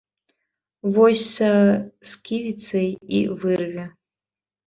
Вось са сківіцай і вырве.